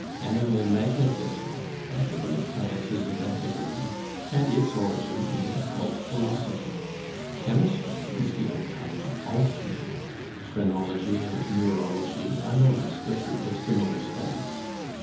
Animal magnetism, one of the great sciences of antiquity, had its origin in occult philosophy; chemistry is the outcome of alchemy; phrenology and neurology are no less the fruit of similar studies.